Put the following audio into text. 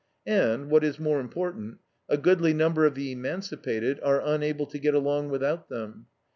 And, what is more important, a goodly number of the emancipated are unable to get along without them.